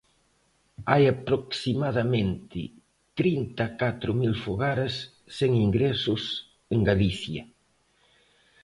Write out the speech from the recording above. Hai aproximadamente trinta e catro mil fogares sen ingresos en Galicia.